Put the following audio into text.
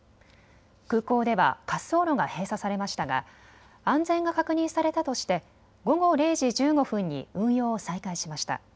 空港では滑走路が閉鎖されましたが安全が確認されたとして午後０時１５分に運用を再開しました。